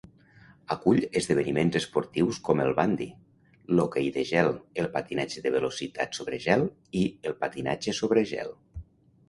Acull esdeveniments esportius com el bandy, l'hoquei de gel, el patinatge de velocitat sobre gel i el patinatge sobre gel.